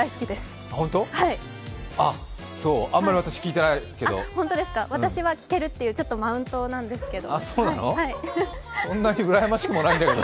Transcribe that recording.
あんまり私、聞いてないけど私は聞けるっていうちょっとマウントなんですけど。